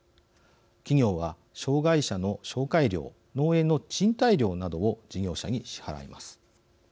企業は障害者の紹介料・農園の賃貸料などを事業者に支払います。